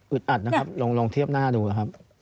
อัดนะครับลองเทียบหน้าดูนะครับ